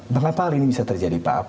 mengapa hal ini bisa terjadi pak